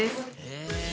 え。